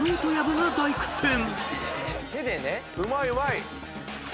うまいうまい！